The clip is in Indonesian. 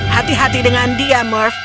hati hati dengan dia merh